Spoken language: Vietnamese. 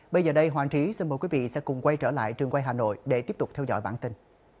bây giờ đây hoàng trí xin mời quý vị sẽ cùng quay trở lại trường quay hà nội để tiếp tục theo dõi bản tin